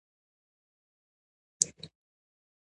وخت زموږ په ژوند کې له لويو نعمتونو څخه دى.